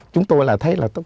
chúng tôi là thấy là